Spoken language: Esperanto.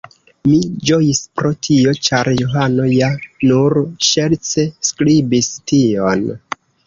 Mi ĝojis pro tio, ĉar Johano ja nur ŝerce skribis tion.